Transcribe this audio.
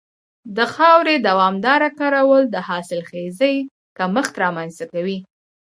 د خاورې دوامداره کارول د حاصلخېزۍ کمښت رامنځته کوي.